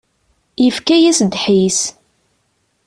Yefka-yas ddḥis.